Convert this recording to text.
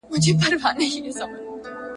څه له محتسب څخه، څه له نیم طبیب څخه !.